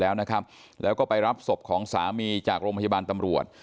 แล้วนะครับแล้วก็ไปรับศพของสามีจากโรงพยาบาลตำรวจ